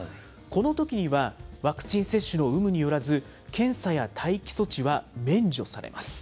このときには、ワクチン接種の有無によらず、検査や待機措置は免除されます。